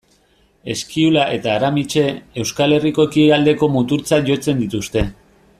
Eskiula eta Aramitse, Euskal Herriko ekialdeko muturtzat jotzen dituzte.